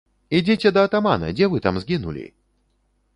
Ідзіце да атамана, дзе вы там згінулі?